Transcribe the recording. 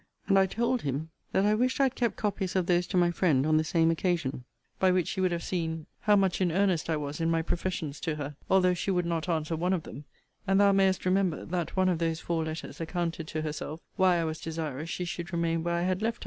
And I told him, 'that I wished I had kept copies of those to my friend on the same occasion; by which he would have seen how much in earnest I was in my professions to her, although she would not answer one of them;' and thou mayest remember, that one of those four letters accounted to herself why I was desirous she should remain where I had left her.